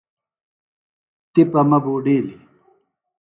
تِپہ مہ بوڈِیلیۡ